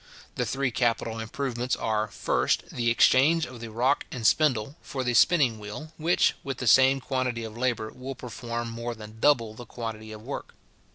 The three capital improvements are, first, the exchange of the rock and spindle for the spinning wheel, which, with the same quantity of labour, will perform more than double the quantity of work.